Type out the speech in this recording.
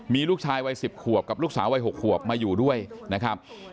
มีลูกชายวัย๑๐ขวบกับลูกสาววัย๖ขวบมาอยู่ด้วยนะครับ